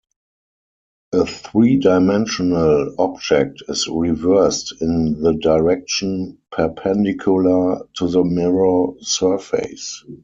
A three-dimensional object is reversed in the direction perpendicular to the mirror surface.